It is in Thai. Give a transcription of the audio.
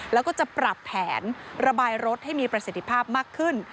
แล้วก็จะปรับแผนระบายรถให้มีประสิทธิภาพมากขึ้น